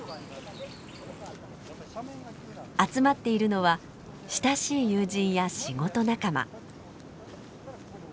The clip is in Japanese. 集まっているのは親しい友人や仕事仲間。